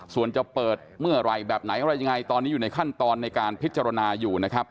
ส่วนจะเปิดเมื่อไหร่แบบไหนอะไรยังไงตอนนี้อยู่ในขั้นตอนในการพิจารณาอยู่นะครับ